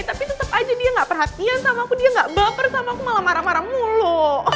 tapi tetap aja dia nggak perhatian sama aku dia gak baper sama aku malah marah marah mulu